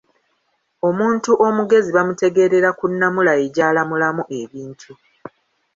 Omuntu omugezi bamutegeerera ku nnamula ye gy'alamulamu ebintu.